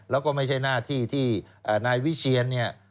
แล้วก็ไม่ใช่หน้าที่ที่นายวิเชียนเนี่ย